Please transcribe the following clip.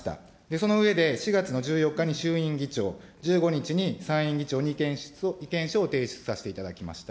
その上で、４月の１４日に衆院議長、１５日に参院議長に意見書を提出させていただきました。